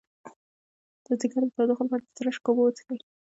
د ځیګر د تودوخې لپاره د زرشک اوبه وڅښئ